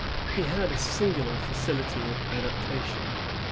He had a singular facility of adaptation.